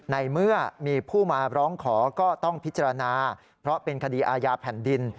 ในเมื่อมีผู้มาร้องขอก็ต้องพิจารณาเพราะเป็นคดีอาญาแผ่นดิน